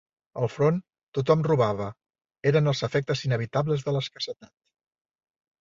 Al front tothom robava; eren els efectes inevitables de l'escassetat;